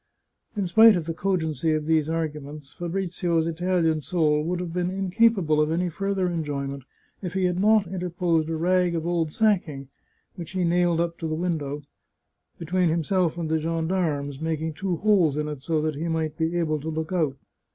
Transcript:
In spite of the cogency of these argu ments, Fabrizio's Italian soul would have been incapable of any further enjoyment if he had not interposed a rag of old sacking, which he nailed up in the window, between himself and the gendarmes, making two holes in it so that he might be able to look out.